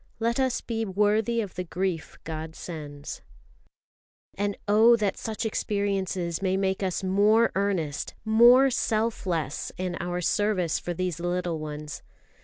"Let us be worthy of the grief God sends." And oh that such experiences may make us more earnest, more self less in our service for these little ones!